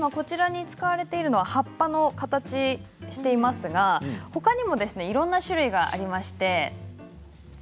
使われているのは葉っぱの形をしていますがほかにもいろんな種類があります。